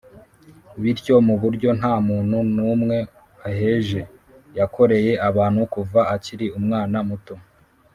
Bityo, mu buryo nta muntu n’umwe aheje, yakoreye abantu kuva akiri umwana muto